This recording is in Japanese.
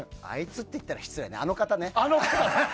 あいつって言ったら失礼、あの方？